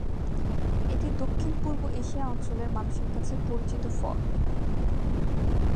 এটি দক্ষিণ পূর্ব এশিয়া অঞ্চলের মানুষের কাছে পরিচিত ফল।